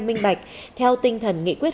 minh bạch theo tinh thần nghị quyết